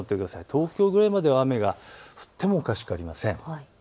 東京ぐらいまで雨が降ってもおかしくありません。